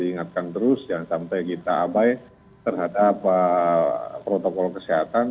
ingatkan terus jangan sampai kita abai terhadap protokol kesehatan